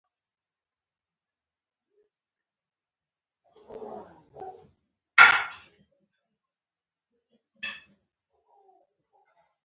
پښتانه باید د خپل ملي پیوستون لپاره هڅه وکړي.